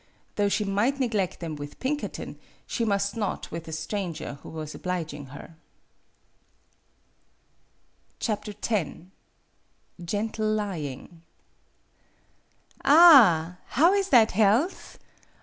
Though she might neglect them with Pinkerton, she must not with a stranger who was obliging her. GENTLE LYING "An! How is that health?